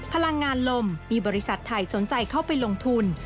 พลังงานลมมีบริษัทไทยสนใจเข้าไปลงทุน